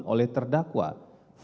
dan bersesuaian satu dengan lainnya